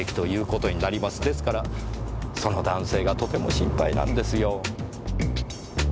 ですからその男性がとても心配なんですよ。